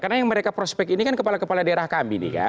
karena yang mereka prospek ini kan kepala kepala daerah kami